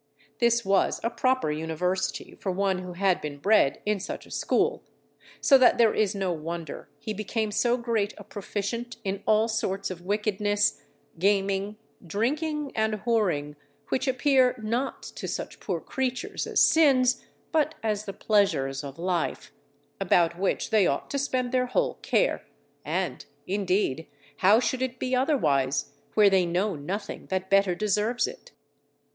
This was a proper university for one who had been bred in such a school; so that there is no wonder he became so great a proficient in all sorts of wickedness, gaming, drinking, and whoring, which appear not to such poor creatures as sins, but as the pleasures of life, about which they ought to spend their whole care; and, indeed, how should it be otherwise, where they know nothing that better deserves it.